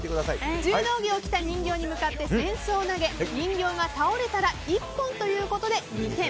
柔道着を着た人形に向かって扇子を投げ人形が倒れたら一本ということで２点。